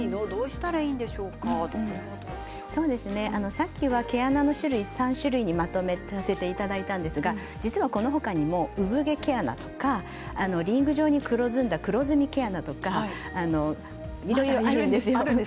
さっきは毛穴の種類３種類にまとめさせていただいたんですが実はこの他にも産毛毛穴とかリング状に黒ずんだ黒ずみ毛穴とかいろいろあるんですよ。